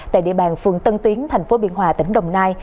tại địa bàn phường tân tiến thành phố biên hòa tỉnh đồng nai